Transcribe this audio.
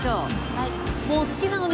はい。